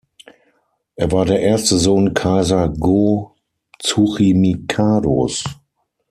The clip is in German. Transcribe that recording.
Er war der erste Sohn Kaiser Go-Tsuchimikados.